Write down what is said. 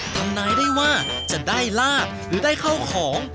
ทำนายได้ว่าจะได้ลาบหรือได้เข้าของ